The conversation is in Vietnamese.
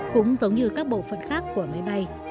cũng giống như các bộ phận khác của máy bay